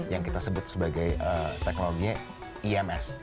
yang kita sebut sebagai teknologinya ems